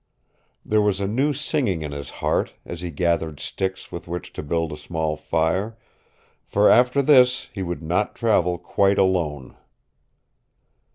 There was a new singing in his heart as he gathered sticks with which to build a small fire, for after this he would not travel quite alone.